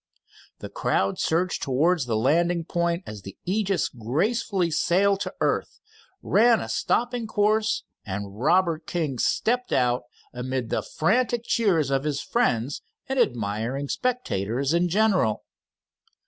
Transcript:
The crowd surged towards the landing point as the Aegis gracefully sailed to earth, ran a stopping course, and Robert King stepped out amid the frantic cheers of his friends and admiring spectators in general.